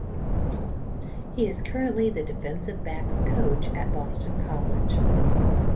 He is currently the defensive backs coach at Boston College.